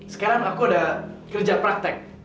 sekarang aku udah kerja praktek